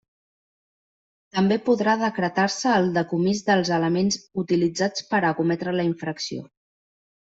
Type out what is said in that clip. També podrà decretar-se el decomís dels elements utilitzats per a cometre la infracció.